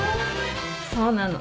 そうなの。